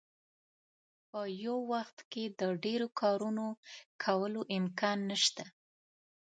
په یو وخت کې د ډیرو کارونو کولو امکان نشته.